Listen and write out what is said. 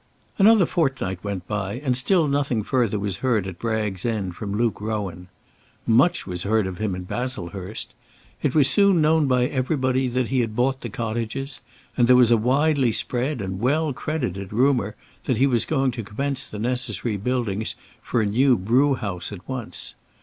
Another fortnight went by, and still nothing further was heard at Bragg's End from Luke Rowan. Much was heard of him in Baslehurst. It was soon known by everybody that he had bought the cottages; and there was a widely spread and well credited rumour that he was going to commence the necessary buildings for a new brewhouse at once.